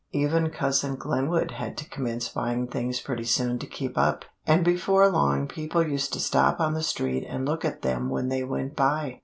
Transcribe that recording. Even Cousin Glenwood had to commence buying things pretty soon to keep up, and before long people used to stop on the street and look at them when they went by.